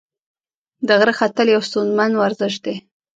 د غره ختل یو ستونزمن ورزش دی.